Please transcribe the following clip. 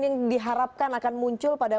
yang diharapkan akan muncul pada